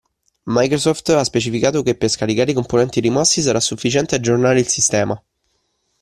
Microsoft ha specificato che, per scaricare i componenti rimossi, sarà sufficiente aggiornare il sistema.